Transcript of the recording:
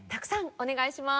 お願いします。